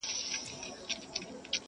یو ښکاري وو چي په ښکار کي د مرغانو,